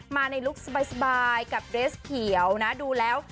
มาในลุคสบายกับเดสเขียวนะดูแล้ว